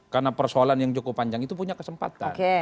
karena persoalan yang cukup panjang itu punya kesempatan